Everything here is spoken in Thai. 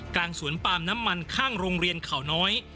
กลางสวนปาล์มน้ำมันข้างโรงเรียนเขาน้อย